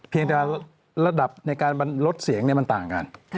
เพียงแต่ระดับในการลดเสียงมันต่างกัน